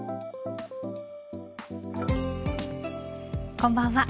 こんばんは。